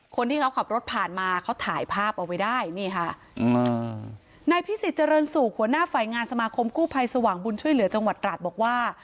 คนที่เขาขับรถผ่านมาเขาถ่ายภาพเอาไว้ได้นี่ค่ะนายพิสิทธิเจริญสุขหัวหน้าฝ่ายงานสมาคมกู้ภัยสว่างบุญช่วยเหลือจังหวัดตราดบอกว่า